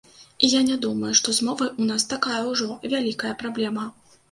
І я не думаю, што з мовай у нас такая ўжо вялікая праблема.